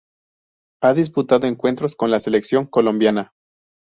Ha disputado encuentros con la selección colombiana.